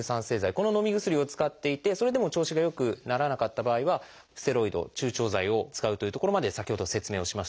こののみ薬を使っていてそれでも調子が良くならなかった場合はステロイド注腸剤を使うというところまで先ほど説明をしました。